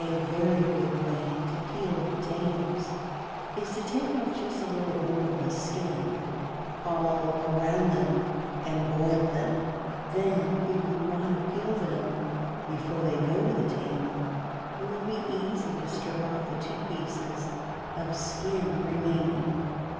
A very good way to peel potatoes is to take off just a little rim of the skin all around them and boil them; then if you want to peel them before they go to the table, it will be easy to strip off the two pieces of skin remaining.